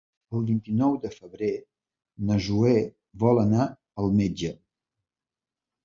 El vint-i-nou de febrer na Zoè vol anar al metge.